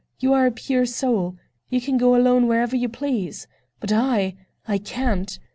You are a pure soul—you can go alone wherever you please! But I—I can't!